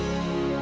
tunggu aku mau